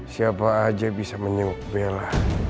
siapa saja bisa menyembuh bella